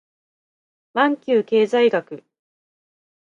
マンキュー経済学